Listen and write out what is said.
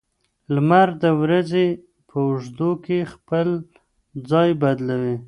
لمر د ورځې په اوږدو کې خپل ځای بدلوي.